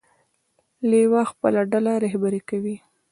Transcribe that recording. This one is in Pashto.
لیوه خپله ډله رهبري کوي.